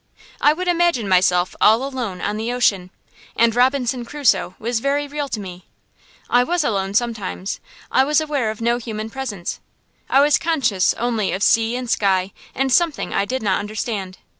I would imagine myself all alone on the ocean, and Robinson Crusoe was very real to me. I was alone sometimes. I was aware of no human presence; I was conscious only of sea and sky and something I did not understand.